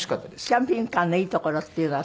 キャンピングカーのいいところっていうのは。